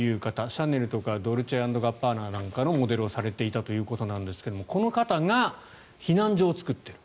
シャネルとかドルチェ＆ガッバーナなんかのモデルをされていたということですえがこの方が避難所を作っている。